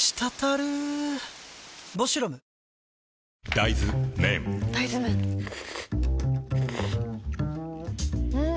大豆麺ん？